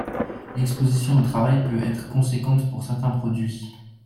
L'exposition au travail peut être conséquente pour certains produits.